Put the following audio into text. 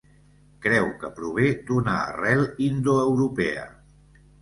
Creu que prové d'una arrel indoeuropea.